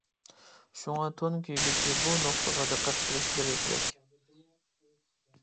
شۇڭا تون كىيگۈچى بۇ نۇقتىغا دىققەت قىلىشلىرى كېرەك.